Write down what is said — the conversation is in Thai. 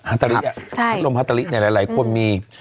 ฮาตาลิอ่ะใช่ภัดลมฮาตาลิในหลายหลายคนมี